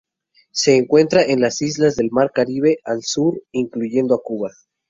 Se encuentra en las islas del Mar Caribe al sur e incluyendo a Cuba.